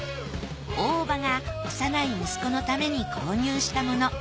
大叔母が幼い息子のために購入したもの。